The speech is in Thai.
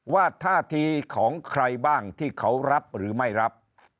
ท่าทีของใครบ้างที่เขารับหรือไม่รับ